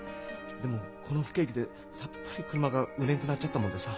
でもこの不景気でさっぱり車が売れんくなっちゃったもんでさ。